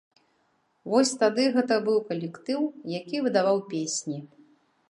Вось тады гэта быў калектыў, які выдаваў песні!